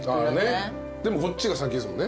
でもこっちが先ですもんね。